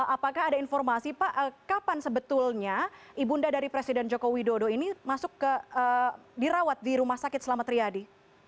apakah ada informasi pak kapan sebetulnya ibu unda dari presiden joko widodo ini masuk ke dirawat di rumah sakit selamat riyadi